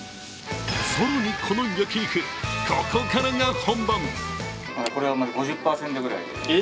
更にこの焼肉、ここからが本番。